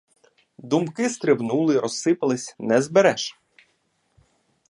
Думки стрибнули, розсипались — не збереш.